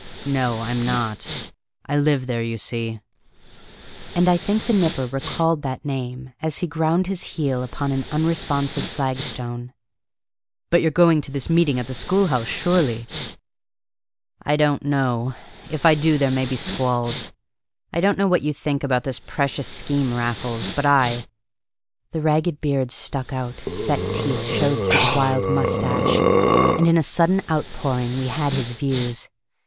"No, I'm not. I live there, you see." And I think the Nipper recalled that name as he ground his heel upon an unresponsive flagstone. "But you're going to this meeting at the school house, surely?" "I don't know. If I do there may be squalls. I don't know what you think about this precious scheme Raffles, but I..." The ragged beard stuck out, set teeth showed through the wild moustache, and in a sudden outpouring we had his views.